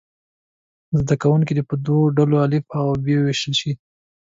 زده کوونکي دې په دوو ډلو الف او ب وویشل شي.